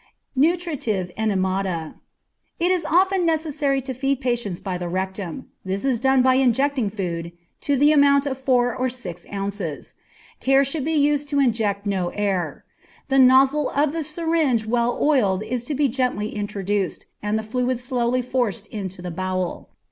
Nutritive Enemata. It is often necessary to feed patients by the rectum. This is done by injecting food, to the amount of four or six ounces. Care should be used to inject no air. The nozzle of the syringe well oiled is to be gently introduced, and the fluid slowly forced into the bowel.